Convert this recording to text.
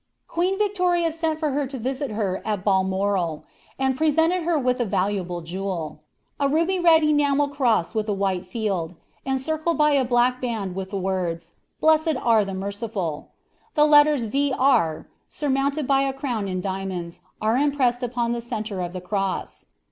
Queen Victoria sent for her to visit her at Balmoral, and presented her with a valuable jewel; a ruby red enamel cross on a white field, encircled by a black band with the words, "Blessed are the merciful." The letters V. R., surmounted by a crown in diamonds, are impressed upon the centre of the cross.